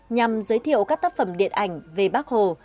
nhằm giới thiệu các tác phẩm điện ảnh về bác hồ